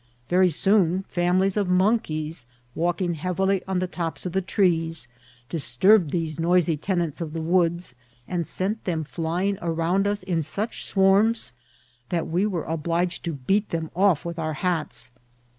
Very soon families of monkeys, walk ing heavily on the tops of the trees, disturbed these noisy tenants of the woods, and sent them flying around us in such swarms that we were obliged to beat them off with our hats.